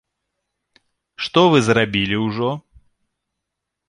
Што вы зрабілі ўжо?